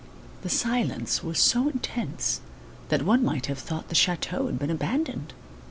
The silence was so intense that one might have thought the chateau had been abandoned.